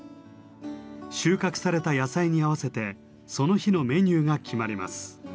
収穫された野菜に合わせてその日のメニューが決まります。